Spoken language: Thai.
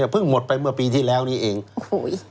เพิ่งหมดไปเมื่อปีที่แล้วนี้เองโอ้โห